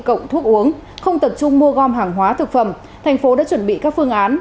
cộng thuốc uống không tập trung mua gom hàng hóa thực phẩm thành phố đã chuẩn bị các phương án